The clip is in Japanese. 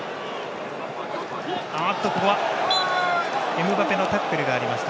エムバペのタックルがありました。